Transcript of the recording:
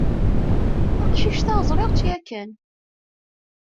Taqcict-a ẓriɣ-tt yakan.